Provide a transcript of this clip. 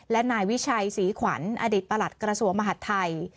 และนายวิชัยศรีขวัญอดีตประหลัดกระทรวงมหาดไทย